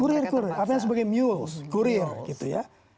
kurir kurir apa yang disebutkan sebagai mules kurir gitu ya